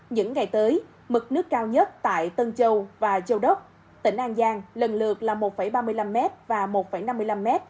những ngày tới mực nước cao nhất tại tân châu và châu đốc tỉnh an giang lần lượt là một ba mươi năm m và một năm mươi năm m